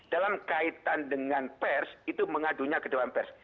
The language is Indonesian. dalam kaitan dengan pers itu mengadunya ke dewan pers